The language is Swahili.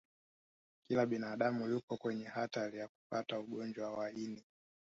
kila binadamu yupo kwenye hatari ya kupata ugonjwa wa ini